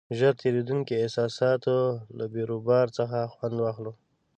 ژر تېرېدونکو احساساتو له بیروبار څخه خوند واخلو.